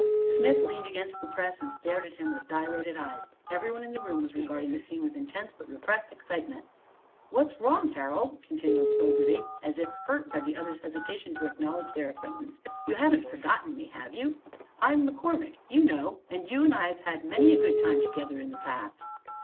Smith leaned against the press and stared at him with dilated eyes. Everyone in the room was regarding the scene with intense but repressed excitement. "What's wrong, Harold?" continued Fogerty, as if hurt by the other's hesitation to acknowledge their acquaintance. "You haven't forgotten me, have you? I'm McCormick, you know, and you and I have had many a good time together in the past."